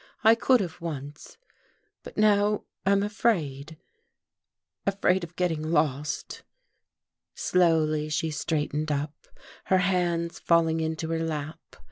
"I could have once. But now I'm afraid afraid of getting lost." Slowly she straightened up, her hands falling into her lap.